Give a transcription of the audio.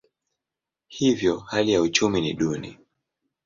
Hivyo hali ya uchumi ni duni.